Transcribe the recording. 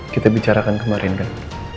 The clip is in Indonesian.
kita bicarakan kemarin kan